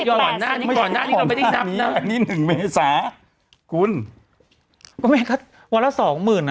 ยอดหน้านี้ยอดหน้านี้ก็ไม่ได้นับนะอันนี้หนึ่งเมษาคุณวันละสองหมื่นอ่ะ